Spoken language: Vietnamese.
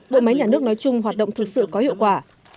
bộ máy nhà nước nói chung hoạt động thực sự có hiệu quả